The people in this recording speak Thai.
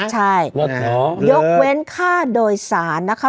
ใช่ยกเว้นค่าโดยสารนะคะ